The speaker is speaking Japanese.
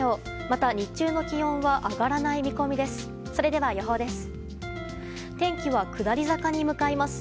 また、日中の気温は上がらない見込みです。